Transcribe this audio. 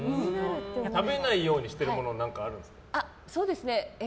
食べないようにしてるものは何かあるんですか？